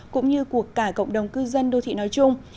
cũng như của cả cộng đồng cư dân đô thị nói chung